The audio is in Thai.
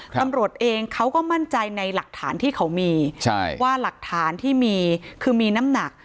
ตำรวจเองเขาก็มั่นใจในหลักฐานที่เขามีว่าหลักฐานที่มีคือมีน้ำหนัก